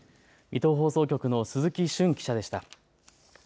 水戸放送局の鈴木瞬記者でした。